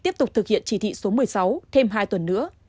tiếp tục thực hiện chỉ thị số một mươi sáu thêm hai tuần nữa